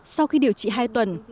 sau khi điều trị hai tuần